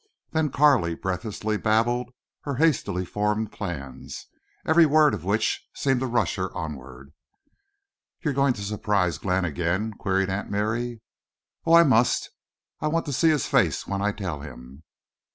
Then Carley breathlessly babbled her hastily formed plans, every word of which seemed to rush her onward. "You're going to surprise Glenn again?" queried Aunt Mary. "Oh, I must! I want to see his face when I tell him."